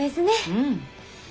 うん。